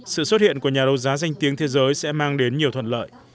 sự xuất hiện của nhà đấu giá danh tiếng thế giới sẽ mang đến nhiều thuận lợi